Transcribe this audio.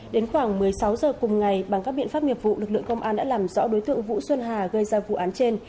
đến khoảng một mươi sáu giờ cùng ngày bằng các biện pháp nghiệp vụ lực lượng công an đã làm rõ đối tượng vũ xuân hà gây ra vụ án trên